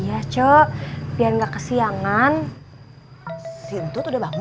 asal atuhiru minannu asal atuhiru minannu